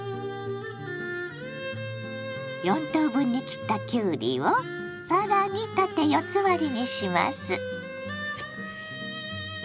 ４等分に切ったきゅうりを更に縦４つ割りにします。